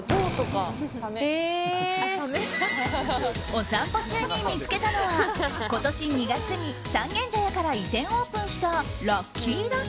お散歩中に見つけたのは今年２月に三軒茶屋から移転オープンしたＬＵＣＫＹ×ＤＵＣＫＹ。